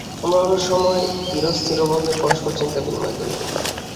আমরা অন্যসময় ধীর-স্থিরভাবে পরস্পর চিন্তা- বিনিময় করিব।